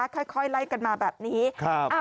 ค่อยไล่กันมาแบบนี้